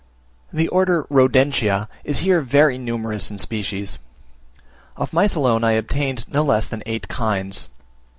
The order Rodentia is here very numerous in species: of mice alone I obtained no less than eight kinds.